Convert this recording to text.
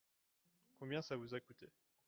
Combien ça vous a coûté ?